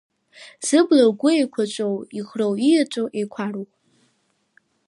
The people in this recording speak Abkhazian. Зыбла агәы еиқәаҵәоу, иӷроу, ииаҵәоу, еиқәароу!